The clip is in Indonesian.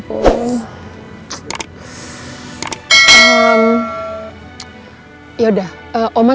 oma kenapa oma